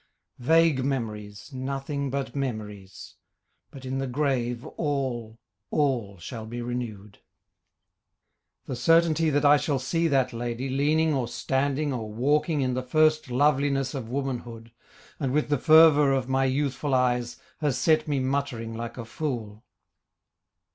Vague memories, nothing but memories, But in the grave all, all, shall be renewed. The certainty that I shall see that lady Leaning or standing or walking In the first loveliness of womanhood, And with the fervour of my youthful eyes, Has set me muttering like a fool.